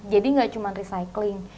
jadi tidak hanya recycling